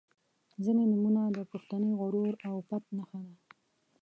• ځینې نومونه د پښتني غرور او پت نښه ده.